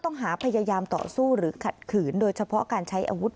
ต้องหาพยายามต่อสู้หรือขัดขืนโดยเฉพาะการใช้อาวุธ